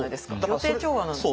予定調和なんですか。